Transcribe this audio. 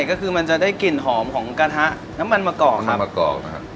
ก็คือมันจะได้กลิ่นหอมของกระทะน้ำมันมะกอกครับน้ำมะกอกนะครับ